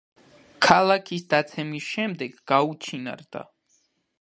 ქალაქის დაცემის შემდეგ გაუჩინარდა.